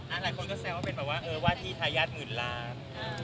หลายคนก็แซ่วว่าเป็นวาทีทายาทหมื่นล้าน